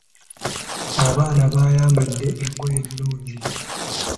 Abaana bayambadde engoye ennungi.